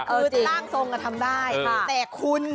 คือร่างทรงทำได้แต่คุณ